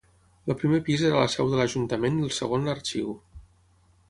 El primer pis era la seu de l'ajuntament i el segon l'arxiu.